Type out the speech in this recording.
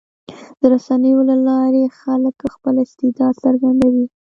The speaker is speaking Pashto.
د رسنیو له لارې خلک خپل استعداد څرګندوي.